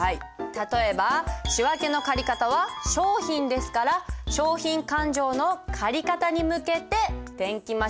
例えば仕訳の借方は商品ですから商品勘定の借方に向けて転記マシーンをセットします。